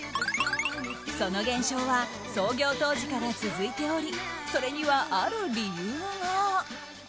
その現象は創業当時から続いておりそれには、ある理由が。